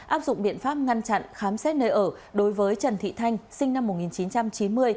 áp dụng biện pháp ngăn chặn khám xét nơi ở đối với trần thị thanh sinh năm một nghìn chín trăm chín mươi